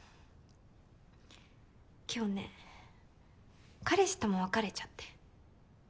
今日ね彼氏とも別れちゃって。